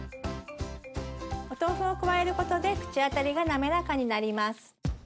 お豆腐を加えることで口当たりが滑らかになります。